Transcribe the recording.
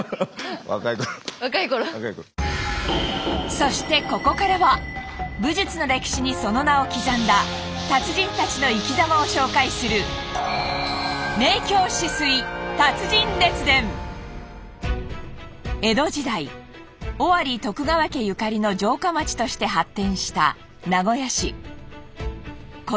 そしてここからは武術の歴史にその名を刻んだ達人たちの生きざまを紹介する江戸時代尾張徳川家ゆかりの城下町として発展した名古屋市。